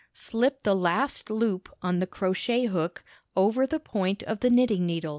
Slip the last loop on the crochet hook over the point of the knitting needle.